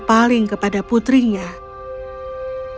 bagaimana kalau mawar biru itu tidak mencari mawar